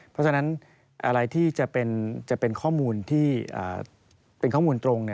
เพราะฉะนั้นอะไรที่จะเป็นข้อมูลตรง